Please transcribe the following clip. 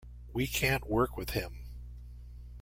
We can't work with him.